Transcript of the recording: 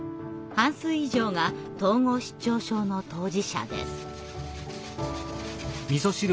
半数以上が統合失調症の当事者です。